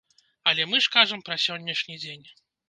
Але мы ж кажам пра сённяшні дзень.